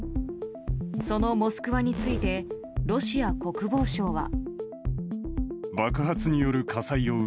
その「モスクワ」についてロシア国防省は。